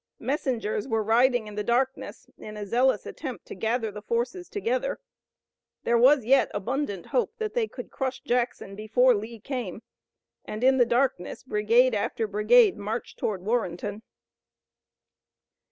Messengers were riding in the darkness in a zealous attempt to gather the forces together. There was yet abundant hope that they could crush Jackson before Lee came, and in the darkness brigade after brigade marched toward Warrenton.